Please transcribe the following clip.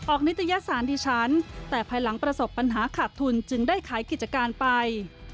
นิตยสารดิฉันแต่ภายหลังประสบปัญหาขาดทุนจึงได้ขายกิจการไป